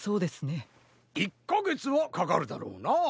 １かげつはかかるだろうなあ。